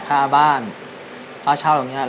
พ่อผมจะช่วยพ่อผมจะช่วยพ่อผมจะช่วย